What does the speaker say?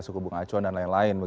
suku bunga acuan dan lain lain